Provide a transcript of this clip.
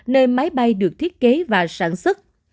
nơi máy bay được thiết kế và sản xuất